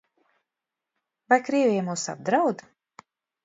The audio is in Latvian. Vai Krievija mūs apdraud?